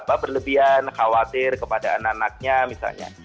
apa berlebihan khawatir kepada anak anaknya misalnya